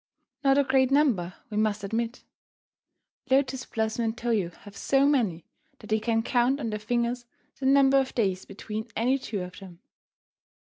Not a great number, we must admit. Lotus Blossom and Toyo have so many that they can count on their fingers the number of days between any two of them.